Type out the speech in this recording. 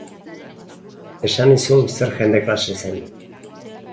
Esan nizun zer jende klase zen.